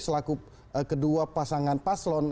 selaku kedua pasangan paslon